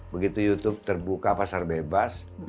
begitu youtube terbuka pasar bebas